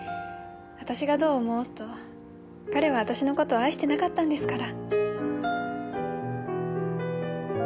私がどう思おうと彼は私の事を愛してなかったんですから。